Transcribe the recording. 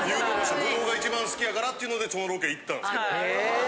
ぶどうが一番好きやからっていうのでそのロケ行ったんですけど。